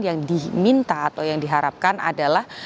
yang diminta atau yang diharapkan adalah